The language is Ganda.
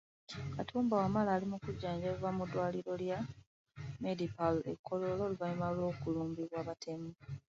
Katumba Wamala, ali mu kujjanjjabwa mu ddwaliro lya Medipal e Kololo oluvannyuma lw’okulumbibwa abatemu.